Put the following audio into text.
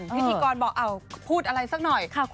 พิธีกรบอกพูดอะไรสักหน่อย